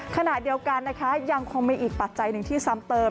ขณะเดียวกันนะคะยังคงมีอีกปัจจัยหนึ่งที่ซ้ำเติม